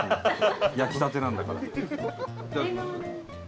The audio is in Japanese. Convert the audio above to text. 焼きたてなんだから。